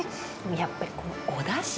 やっぱりこのおだし。